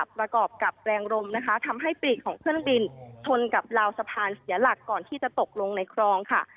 ประกอบกับแรงลมนะคะทำให้ปลีกของเครื่องบินชนกับราวสะพานเสียหลักก่อนที่จะตกลงในคลองค่ะ